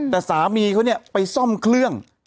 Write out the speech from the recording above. แต่สามีเขาเนี่ยไปซ่อมเครื่อง